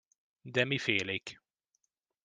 De mifélék?